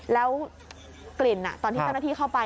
แล้วกลิ่นตอนที่เจ้าหน้าที่เข้าไป